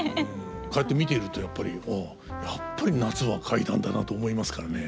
こうやって見てるとやっぱり「ああやっぱり夏は怪談だな」と思いますからね。